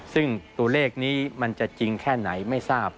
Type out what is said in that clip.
ซึ่งตัวเลขนี้มันจะจริงแค่ไหนไม่ทราบ